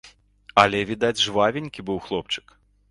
Але, відаць, жвавенькі быў хлопчык.